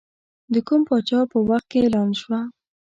د کوم پاچا په وخت کې اعلان شوه.